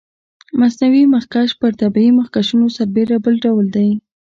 مصنوعي مخکش پر طبیعي مخکشونو سربېره بل ډول دی.